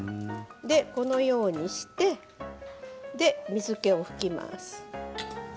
このようにして水けを拭きます。